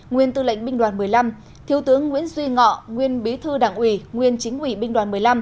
nguyên tư lệnh binh đoàn một mươi năm thiếu tướng nguyễn duy ngọ nguyên bí thư đảng ủy nguyên chính ủy binh đoàn một mươi năm